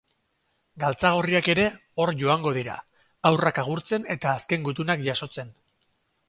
Galtzagorriak ere hor joango dira, haurrak agurtzen eta azken gutunak jasotzen.